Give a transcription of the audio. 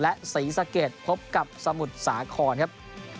และศรีสะเกดพบกับสมุทรสาครครับ